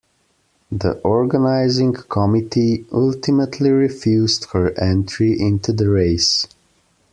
The organizing committee ultimately refused her entry into the race.